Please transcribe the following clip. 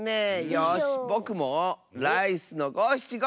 よしぼくもライスのごしちご！